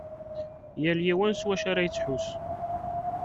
Yal yiwen s wacu ara yesḥus.